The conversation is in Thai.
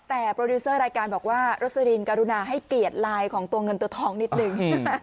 แต่โปรดิวเซอร์รายการบอกว่ารสลินกรุณาให้เกียรติไลน์ของตัวเงินตัวทองนิดนึง